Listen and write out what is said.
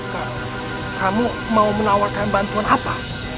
kamu mau menawarkan bantuan apa